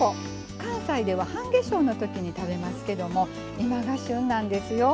関西では半夏生のときに食べますけども今が旬なんですよ。